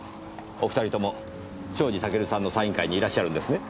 お２人とも庄司タケルさんのサイン会にいらっしゃるんですね？